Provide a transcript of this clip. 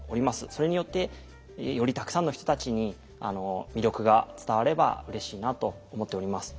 それによってよりたくさんの人たちに魅力が伝わればうれしいなと思っております。